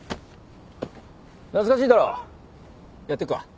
懐かしいだろやってくか？